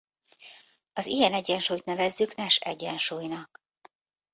Az ilyen egyensúlyt nevezzük Nash-egyensúlynak.